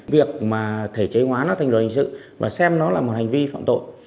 việc mà thể chế hóa nó thành luật hình sự và xem nó là một hành vi phạm tội